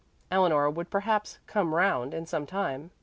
Eleanor would perhaps "come round" in time.